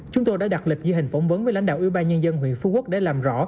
chúng tôi đã đặt lịch dự hình phỏng vấn với lãnh đạo ưu ba nhân dân huyện phú quốc để làm rõ